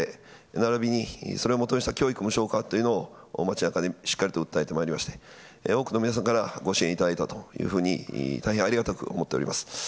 ならびに、それをもとにした教育無償化というのを、街なかでしっかりと訴えてまいりまして、多くの皆さんから、ご支援いただいたというふうに、大変ありがたく思っております。